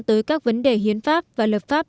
tới các vấn đề hiến pháp và lập pháp